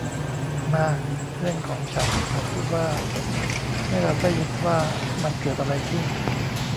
มา เพื่อนของฉัน เขาพูดว่า ’’ให้เราได้ยินว่ามันเกิดอะไรขึ้น ! ’’